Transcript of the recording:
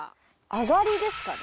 「あがり」ですかね。